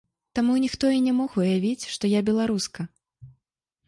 Таму ніхто і не мог уявіць, што я беларуска.